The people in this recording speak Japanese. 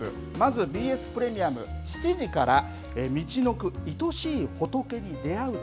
まず、ＢＳプレミアム７時からみちのくいとしいホトケに出会う旅。